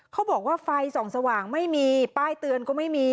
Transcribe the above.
เขาบอกว่าไฟส่องสว่างไม่มีป้ายเตือนก็ไม่มี